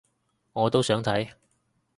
我都想睇